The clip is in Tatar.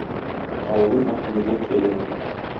Авылым оптимизацияләнә.